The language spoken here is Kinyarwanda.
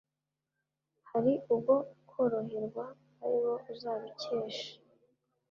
Hari ubwo koroherwa ari bo uzabikesha,